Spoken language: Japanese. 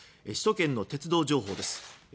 首都圏の鉄道情報です。